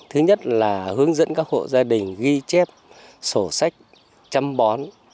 thứ nhất là hướng dẫn các hộ gia đình ghi chép sổ sách chăm bón